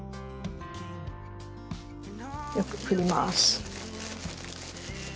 よくふります。